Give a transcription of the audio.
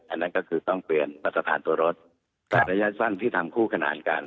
อันนั้นก็คือต้องเปลี่ยนสถานตัวรถระยะสั้นที่ทำคู่ขนานกัน